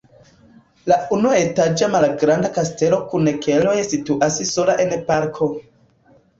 La unuetaĝa malgranda kastelo kun keloj situas sola en parko.